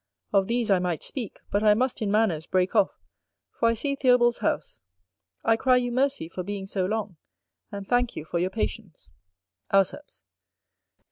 Of these I might speak, but I must in manners break off, for I see Theobald's House. I cry you mercy for being so long, and thank you for your patience. Auceps.